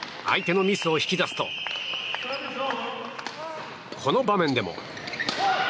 相手のミスを引き出すとこの場面でも。